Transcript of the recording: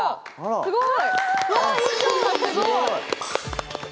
すごい。